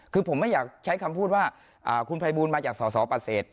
คือผมไม่อยากใช้คำพูดว่าคุณภัยบูลมาจากสอสอปฏิเสธ